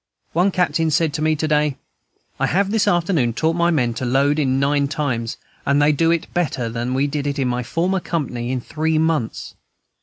One captain said to me to day, "I have this afternoon taught my men to load in nine times, and they do it better than we did it in my former company in three months."